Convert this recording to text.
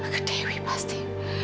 ke dewi pasti